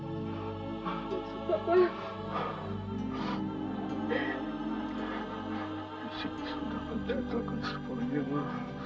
mas rudi sudah menjatuhkan semuanya ma